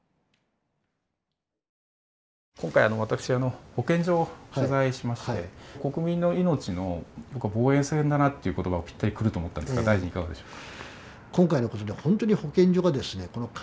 今回私保健所を取材しまして国民の命の防衛線だなっていう言葉がぴったりくると思ったんですが大臣いかがでしょうか。